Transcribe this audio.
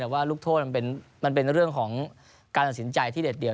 แต่ว่าลูกโทษมันเป็นเรื่องของการตัดสินใจที่เด็ดเดียว